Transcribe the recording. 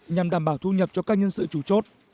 nhằm đảm bảo thu nhập cho các nhân sự chủ chốt